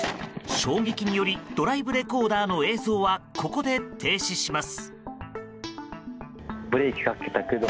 衝撃によりドライブレコーダーの映像はここで停止します。